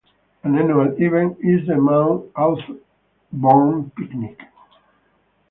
An annual event is the Mount Auburn Picnic.